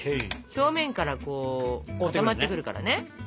表面からこう固まってくるからね。